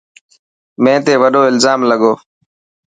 مين تي وڏو الزام لڳو.